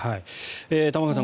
玉川さん